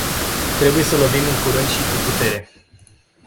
Trebuie să lovim în curând și cu putere.